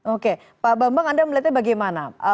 oke pak bambang anda melihatnya bagaimana